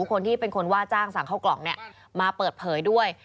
คนที่เป็นคนว่าจ้างสั่งเข้ากล่องมาเปิดเผยด้วย